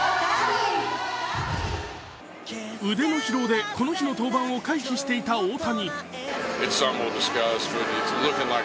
腕の疲労でこの日の登板を回避していた大谷。